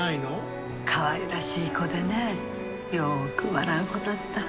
かわいらしい子でねよく笑う子だった。